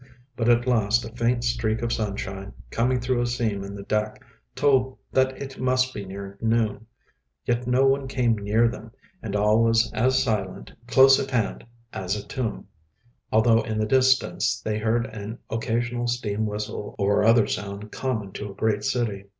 But at last a faint streak of sunshine, coming through a seam in the deck, told that it must be near noon. Yet no one came near them, and all was as silent, close at hand, as a tomb, although in the distance they heard an occasional steam whistle or other sound common to a great city.